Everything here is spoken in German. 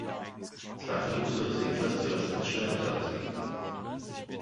Zweifellos wird das ebenfalls zu Lasten des Steuerzahlers gehen.